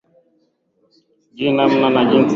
Sijui namna au jinsi ya kushughulikia swala hili